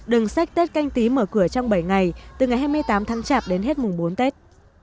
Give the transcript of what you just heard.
đường sách tết canh tí mở cửa trong bảy ngày từ ngày hai mươi tám tháng chạp đến hết mùng bốn tết